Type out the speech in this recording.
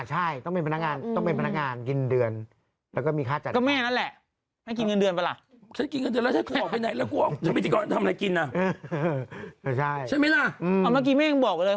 ใช่ใช่ไหมล่ะอืมเอ้าเมื่อกี้แม่งบอกเลย